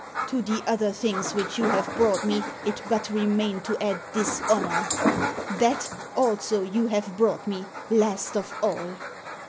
To the other things which you have brought me it but remained to add dishonour. That, also, you have brought me, last of all.